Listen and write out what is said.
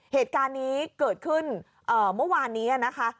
เหตุการณ์นี้เกิดขึ้นเมื่อวานนี้นะคะ